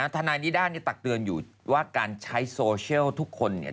ทนายนิด้านี่ตักเตือนอยู่ว่าการใช้โซเชียลทุกคนเนี่ย